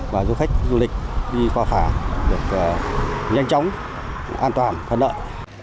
và giúp khách du lịch đi qua phà được nhanh chóng an toàn khẩn đợi